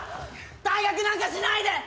退学なんかしないで！